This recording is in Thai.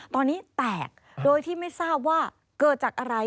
ตอนนี้แตกโดยที่ไม่ทราบว่าเกิดจากอะไร